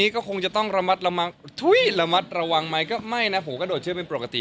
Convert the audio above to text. การมัดระวังไม่ก็ไม่โดดเชือกเป็นปรกติ